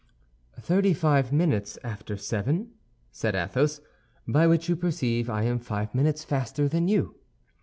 "Thirty five minutes after seven," said Athos, "by which you perceive I am five minutes faster than you."